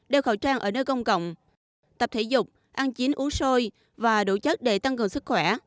đeo khẩu trang ở nơi công cộng tập thể dục ăn chín uống sôi và đủ chất để tăng cường sức khỏe